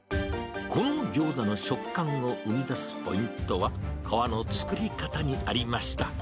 このギョーザの食感を生み出すポイントは、皮の作り方にありました。